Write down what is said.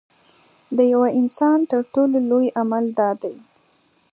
د یوه انسان تر ټولو لوی عمل دا دی.